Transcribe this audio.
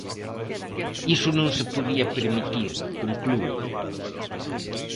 Iso non se podía permitir, conclúe.